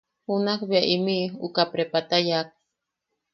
Junak bea imiʼi uka prepata yaʼak.